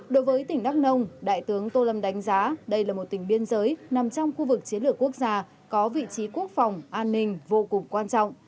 đối với tỉnh đắk nông đại tướng tô lâm đánh giá đây là một tỉnh biên giới nằm trong khu vực chiến lược quốc gia có vị trí quốc phòng an ninh vô cùng quan trọng